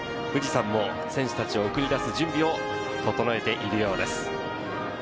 富士山も選手たちを送り出す準備を整えているようです。